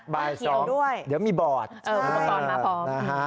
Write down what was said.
บ่าย๒เดี๋ยวมีบอร์ดเพราะว่าตอนมาพร้อมนะฮะ